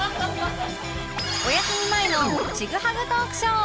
お休み前のちぐはぐトークショー